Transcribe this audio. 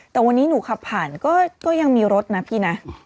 แต่วันนี้หนูขับผ่านก็ยังมีรถนะพี่นะ